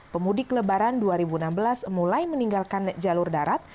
pemudik lebaran dua ribu enam belas mulai meninggalkan jalur darat